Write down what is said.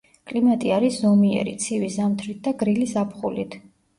კლიმატი არის ზომიერი, ცივი ზამთრით და გრილი ზაფხულით.